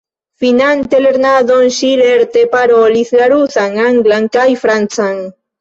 Finante lernadon ŝi lerte parolis la rusan, anglan kaj francan.